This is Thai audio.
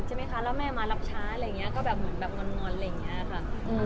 เหมือนอย่างงอนแบบนี้ค่ะ